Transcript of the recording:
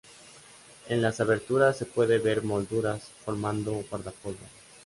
En las aberturas se pueden ver molduras formando guardapolvo.